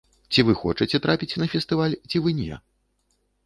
Ці вы хочаце трапіць на фестываль, ці вы не?